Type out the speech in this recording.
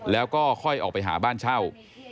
แล้วก็ค่อยออกไปหาบ้านเช่า